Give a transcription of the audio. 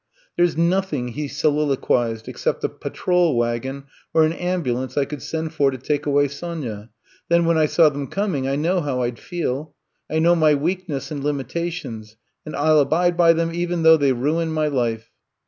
There *s nothing,'* he soliloquized, except a pa trol wagon or an ambulance I could send for to take away Sonya, then when I saw them coming I know how I 'd feel. I know my weakness and limitations and I '11 abide by them even though they ruin my life.